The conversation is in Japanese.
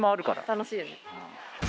楽しいよね。